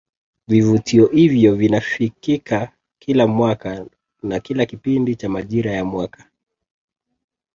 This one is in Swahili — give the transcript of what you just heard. Vivutio hivyo vinafikika kila mwaka na kila kipindi cha majira ya mwaka